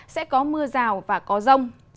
sẽ có mưa rào và có rông